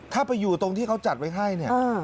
ถ้าไปอยู่ตรงที่เขาจัดไว้ให้เนี่ย